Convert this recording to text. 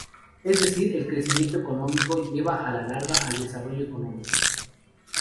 Es decir, el crecimiento económico lleva a la larga al desarrollo económico.